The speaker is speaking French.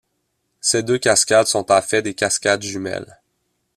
Ces deux cascades sont en fait des cascades jumelles.